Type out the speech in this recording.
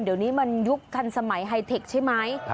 เดี๋ยวนี้มันยุคทันสมัยไฮเทคใช่ไหม